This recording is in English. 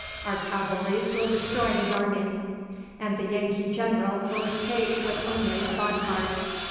Our cavalry will destroy his army ... and the Yankee General will escape with only a body guard."